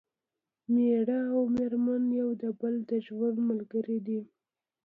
مېړه او مېرمن یو د بل د ژوند ملګري دي